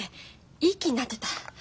いい気になってた。